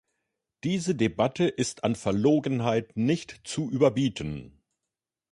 Diese Debatte ist an Verlogenheit nicht zu überbieten!